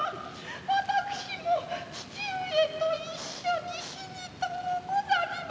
私も父上と一緒に死にとうござりまする。